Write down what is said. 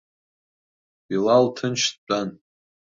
Билал ҭынч дтәан.